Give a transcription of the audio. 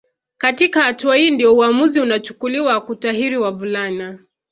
katika hatua hii ndio uamuzi unachukuliwa wa kutahiri wavulana